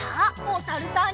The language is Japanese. おさるさん。